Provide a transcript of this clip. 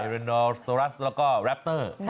เรนอลโซรัสแล้วก็แรปเตอร์